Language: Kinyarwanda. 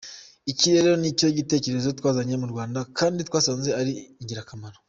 Iki rero nicyo gitekerezo twazanye mu Rwanda kandi twasanze ari ingirakamaro.